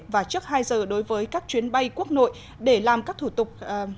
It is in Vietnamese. và trước hai giờ đối với các chuyến bay quốc nội để làm các thủ tục